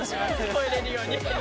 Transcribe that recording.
超えれるように。